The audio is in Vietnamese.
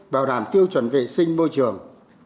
bảo đảm tiêu chuẩn vệ sinh môi trường